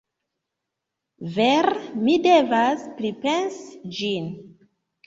Vere, mi devas pripensi ĝin.